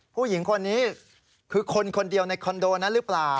ผู้หญิงคนนี้คือคนคนเดียวในคอนโดนั้นหรือเปล่า